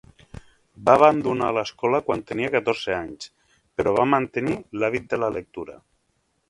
Va abandonar l'escola quan tenia catorze anys, però va mantenir l'hàbit de la lectura.